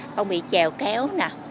không bị trèo kéo nè